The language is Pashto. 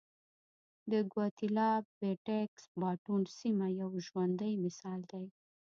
د ګواتیلا پټېکس باټون سیمه یو ژوندی مثال دی.